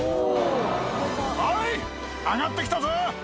おい、上がってきたぞ。